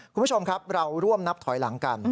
คุณผู้ชมครับเราร่วมนับถอยหลังกัน